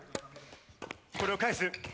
これを返す。